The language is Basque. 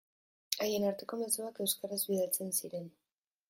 Haien arteko mezuak euskaraz bidaltzen ziren.